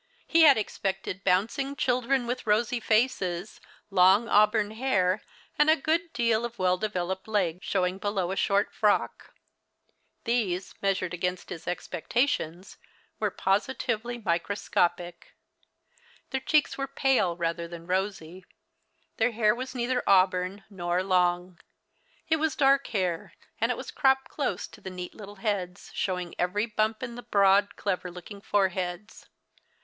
He had expected bouncing children, with rosy faces, long auburn hair, and a good deal of well developed leg showing below a short frock. These, measured against his expectations, were positively microscopic. Their cheeks were pale rather than rosy. Their hair was neither auburn nor long. It was dark hair, and it was cropped close to the neat little heads, showing every bump in the broad, clever looking foreheads.